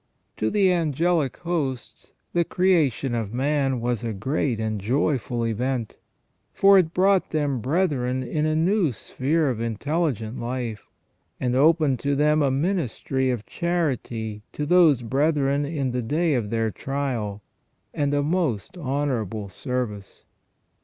To the angelic hosts the creation of man was a great and joyful event ; for it brought them brethren in a new sphere of intelligent life, and opened to them a ministry of charity to those brethren in the day of their trial, and a most honourable service.